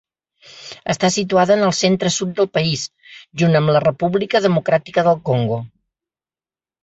Està situada en el centre-sud del país, junt amb la República Democràtica del Congo.